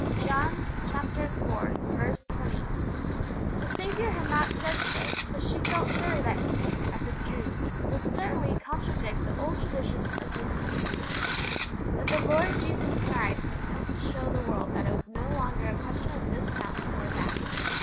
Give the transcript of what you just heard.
_' (John iv. 20.) The Saviour had not said so, but she felt sure that He, as a Jew, would certainly contradict the old traditions of his countrymen. But the Lord Jesus Christ had come to show the world that it was no longer a question of this mountain or that.